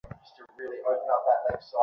কিন্তু চোখ নয়।